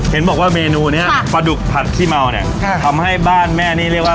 เห็นบอกว่าเมนูเนี้ยปลาดุกผัดขี้เมาเนี่ยทำให้บ้านแม่นี่เรียกว่า